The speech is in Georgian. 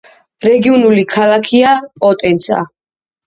რეგიონული დედაქალაქია პოტენცა.